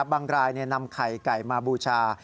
บางรายนำไข่ไก่มาบูชา